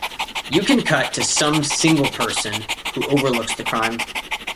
You can cut to some single person who overlooks the crime.